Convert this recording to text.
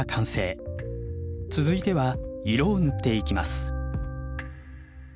続いては色を塗っていきます。